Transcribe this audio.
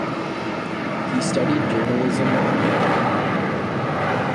He studied journalism in Madrid.